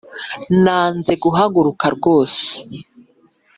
Nanze guhaguruka rwose